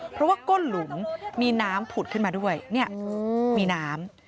เพราะว่าก้นหลุมมีน้ำผุดขึ้นมาด้วยเนี่ยมีน้ำ